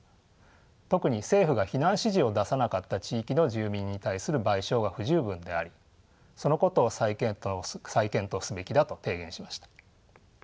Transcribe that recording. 特に政府が避難指示を出さなかった地域の住民に対する賠償が不十分でありそのことを再検討すべきだと提言しました。